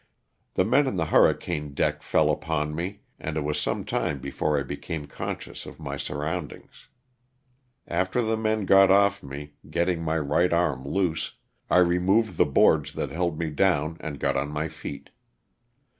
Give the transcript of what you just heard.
The men on the hurricane deck fell upon me, and it was some time before I became conscious of my surroundings. After the men got off me, getting my right arm loose, I removed the boards that held me down and got on my feet.